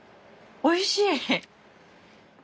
おいしい。